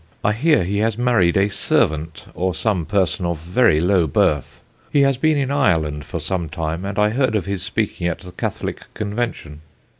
I hear he has married a servant, or some person of very low birth; he has been in Ireland for some time, and I heard of his speaking at the Catholic Convention.